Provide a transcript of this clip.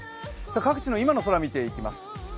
各地の今の空見ていきます。